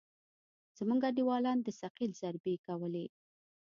زموږ انډيوالانو د ثقيل ضربې کولې.